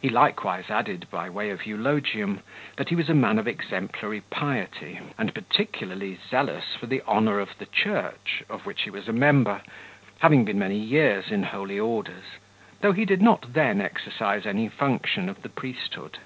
He likewise added, by way of eulogium, that he was a man of exemplary piety and particularly zealous for the honour of the church, of which he was a member, having been many years in holy orders, though he did not then exercise any function of the priesthood.